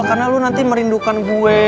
karena lo nanti merindukan gue